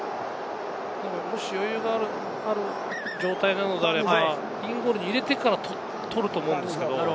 もし余裕がある状態なのであればインゴールで入れてから取ると思うんですけれども。